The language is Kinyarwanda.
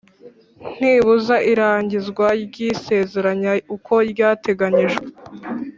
ntibuza irangizwa ry isezeranya uko ryateganyijwe